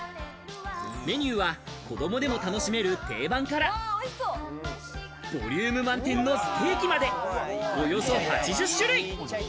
メニューは子どもでも楽しめる定番からボリューム満点のステーキまでおよそ８０種類。